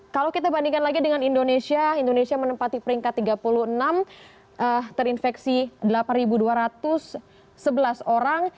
kalau kita bandingkan lagi dengan indonesia indonesia menempati peringkat tiga puluh enam terinfeksi delapan dua ratus sebelas orang